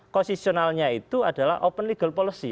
posisionalnya itu adalah open legal policy